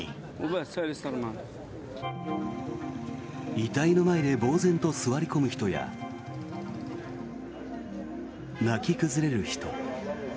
遺体の前でぼうぜんと座り込む人や泣き崩れる人。